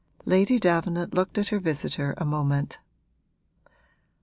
Lady Davenant looked at her visitor a moment.